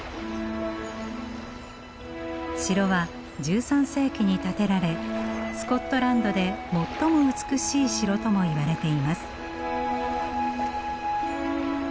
城は１３世紀に建てられスコットランドで最も美しい城ともいわれています。